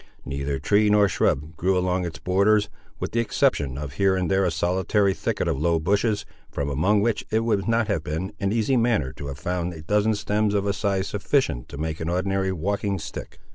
Neither tree nor shrub grew along its borders, with the exception of here and there a solitary thicket of low bushes, from among which it would not have been an easy matter to have found a dozen stems of a size sufficient to make an ordinary walking stick.